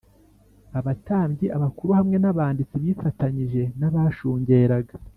abatambyi, abakuru hamwe n’abanditsi bifatanije n’abashungeraga